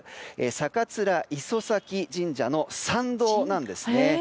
酒列磯前神社の参道なんですね。